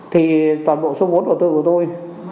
thì toàn bộ số bốn của tôi